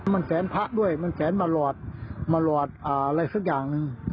มันแสนพระด้วยมันแสนมาหลอดมาหลอดอะไรสักอย่างหนึ่ง